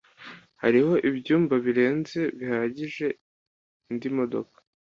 Hariho ibyumba birenze bihagije indi modoka